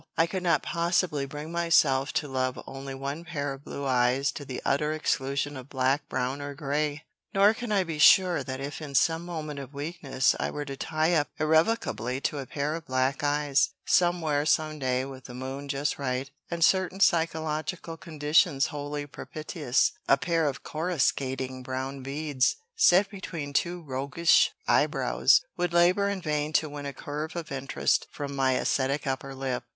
I could not possibly bring myself to love only one pair of blue eyes to the utter exclusion of black, brown, or gray; nor can I be sure that if in some moment of weakness I were to tie up irrevocably to a pair of black eyes, somewhere, some day, with the moon just right, and certain psychological conditions wholly propitious, a pair of coruscating brown beads, set beneath two roguish eyebrows, would labor in vain to win a curve of interest from my ascetic upper lip.